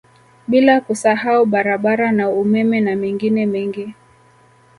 Bila kusahau barabara na umeme na mengine mengi